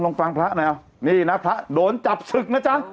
ลองฟังพระแนวนี่นะพระโดนจับศึกนะจ๊ะ